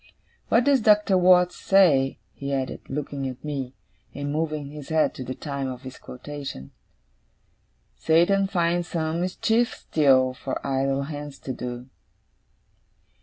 What does Doctor Watts say,' he added, looking at me, and moving his head to the time of his quotation, '"Satan finds some mischief still, for idle hands to do."